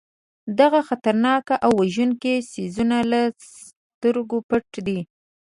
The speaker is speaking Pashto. دغه خطرناک او وژونکي څیزونه له سترګو پټ دي.